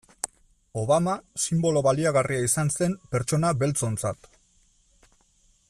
Obama sinbolo baliagarria izan zen pertsona beltzontzat.